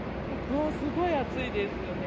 もうすごい暑いですね。